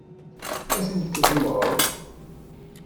Ad tent-teddmeḍ?